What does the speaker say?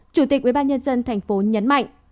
chủ tịch ubnd tp nhấn mạnh